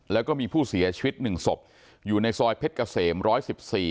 แล้วก็มีผู้เสียชีวิตหนึ่งศพอยู่ในซอยเพชรเกษมร้อยสิบสี่